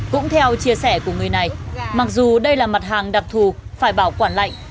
cũng theo chia sẻ của người này mặc dù đây là mặt hàng đặc thù phải bảo quản lạnh